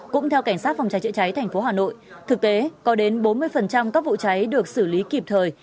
cũng theo cảnh sát phòng cháy chữa cháy tp hà nội thực tế có đến bốn mươi các vụ cháy được xử lý kịp thời